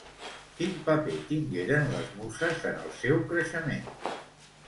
Quin paper tingueren les Muses en el seu creixement?